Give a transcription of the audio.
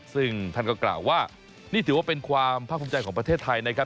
ซึ่งท่านก็กล่าวว่านี่ถือว่าเป็นความภาคภูมิใจของประเทศไทยนะครับ